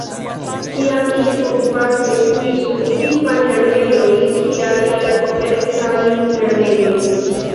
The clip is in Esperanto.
Tiam ili povas esti specifaj lernejoj kiaj la komercaj lernejoj.